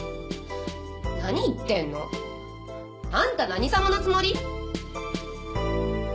なに言ってんの！？あんた何様のつもり！？